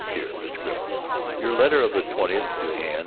Dear Mr. Gribble: Your letter of the twentieth to hand.